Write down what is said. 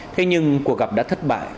thế nhưng cuộc gặp đã thất bại